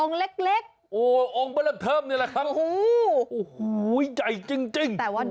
องค์ประหนักเทิมนี้แหละครับ